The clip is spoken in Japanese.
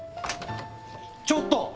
ちょっと！